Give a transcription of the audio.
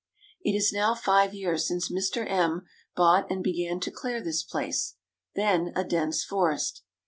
It is now five years since Mr. M bought and began to clear this place, then a dense forest.